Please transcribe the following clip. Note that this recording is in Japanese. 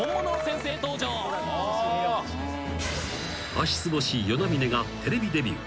［足つぼ師與那嶺がテレビデビュー］